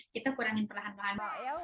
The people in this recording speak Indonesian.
kita kurangi perlahan lahan